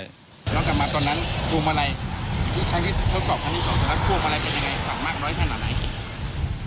นอกจากมาตอนนั้นภูมิมาลัยใครที่ทดสอบภูมิมาลัยเป็นยังไงสั่งมากร้อยขนาดไหน